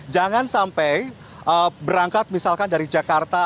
jangan sampai berangkat misalkan dari jakarta